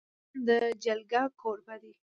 افغانستان د جلګه کوربه دی.